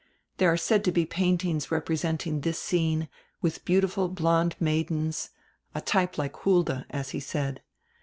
There are said to be paintings representing this scene, widi beautiful blonde maidens, 'a type like Hulda,' as he said.